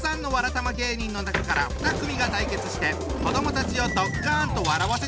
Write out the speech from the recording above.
たま芸人の中から２組が対決して子どもたちをドッカンと笑わせちゃうぞ！